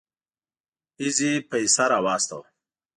اېزي پيسه راواستوه.